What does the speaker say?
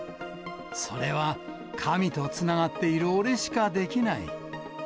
それは神とつながっている俺しかできない。